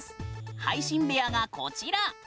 配信部屋がこちら。